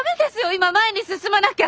今前に進まなきゃ。